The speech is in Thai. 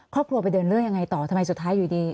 ครอบครัวไปเดินเรื่องยังไงต่อทำไมสุดท้ายอยู่ดี